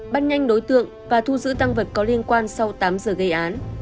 bắt nhanh đối tượng và thu giữ tăng vật có liên quan sau tám giờ gây án